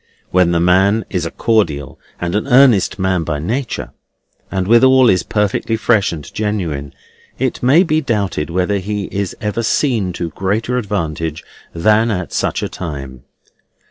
When the man is a cordial and an earnest man by nature, and withal is perfectly fresh and genuine, it may be doubted whether he is ever seen to greater advantage than at such a time.